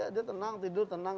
dia tenang tidur tenang